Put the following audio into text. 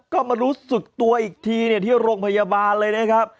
ก็มารู้สึกตัวอีกทีที่โรงพยาบาลเลยนะครับ